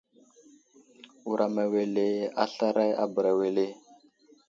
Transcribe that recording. Wuram awele a slaray a bəra wele ?